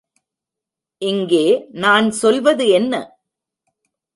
இங்கே நான் சொல்வது என்ன?